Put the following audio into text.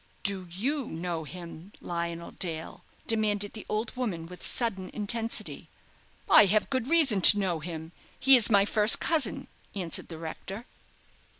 "Do you know him, Lionel Dale?" demanded the old woman with sudden intensity. "I have good reason to know him he is my first cousin," answered the rector.